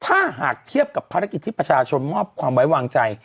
ถ้าหากเทียบกับภารกิจที่ประชาชนมอบความไว้วางใจ